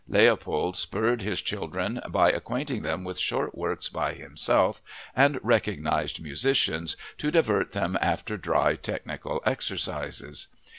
Leopold spurred his children by acquainting them with short works by himself and recognized musicians to divert them after dry technical exercises.